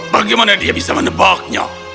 bagaimana dia bisa menebaknya